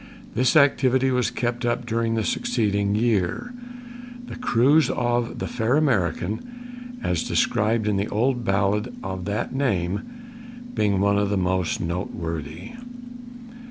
This activity was kept up during the succeeding year, the cruise of the Fair American, as described in the old ballad of that name, being one of the most noteworthy.